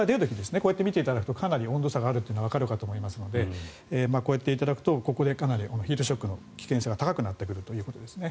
こうやって見ていただくとかなり温度差があるというのがわかると思いますのでこうやっていただくとここでかなりヒートショックの危険性が高くなってくるということですね。